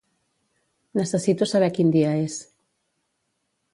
Necessito saber quin dia és.